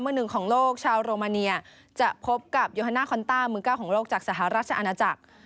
มือหนึ่งของโลกชาวโรมาเนียจะพบกับโยฮาน่าคอนต้ามือเก้าของโลกจากสหราชอาณาจักร